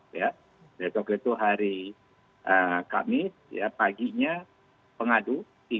besok itu hari kamis paginya pengadu